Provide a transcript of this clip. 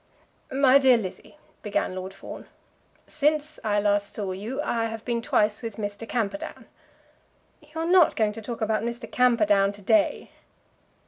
"My dear Lizzie," began Lord Fawn, "since I last saw you I have been twice with Mr. Camperdown." "You are not going to talk about Mr. Camperdown to day?"